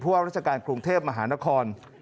ผู้ว่ารัฐกาลกรุงเทพมหานคร